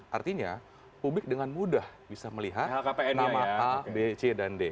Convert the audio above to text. artinya publik dengan mudah bisa melihat nama a b c dan d